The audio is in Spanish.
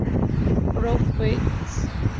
Powell et al.